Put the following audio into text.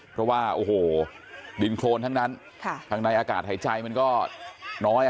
เพราะว่าโอ้โหดินโครนทั้งนั้นข้างในอากาศหายใจมันก็น้อย